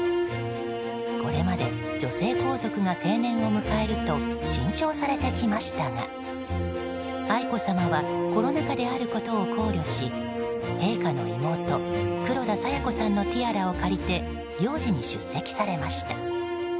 これまで女性皇族が成年を迎えると新調されてきましたが愛子さまはコロナ禍であることを考慮し陛下の妹、黒田清子さんのティアラを借りて行事に出席されました。